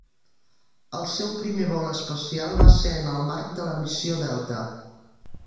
El seu primer vol espacial va ser en el marc de la Missió Delta.